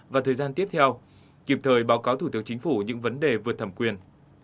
và thời gian tiếp theo kịp thời báo cáo thủ tướng chính phủ những vấn đề vượt thẩm quyền